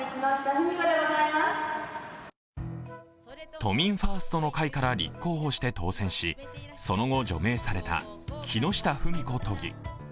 都民ファーストの会から立候補して当選しその後、除名された木下富美子都議。